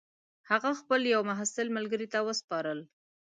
هغه خپل یوه محصل ملګري ته وسپارل.